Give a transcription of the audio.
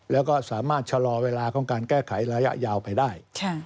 แล้วก็สามารถชะลอเวลาของการแก้ไขระยะยาวไปได้